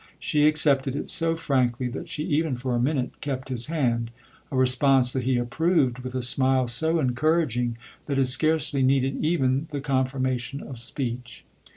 She accepted it so frankly that she even for a minute kept his hand a response that he approved with a smile so encouraging that it scarcely needed even the confirmation of speech.